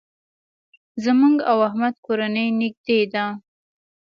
زموږ او احمد کورنۍ نېږدې ده.